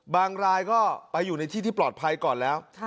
รายก็ไปอยู่ในที่ที่ปลอดภัยก่อนแล้ว